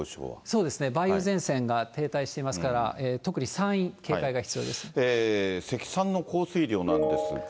そうですね、梅雨戦線が停滞していますから、積算の降水量なんですが。